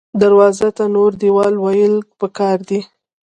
دروازو ته نور دیوال ویل پکار دې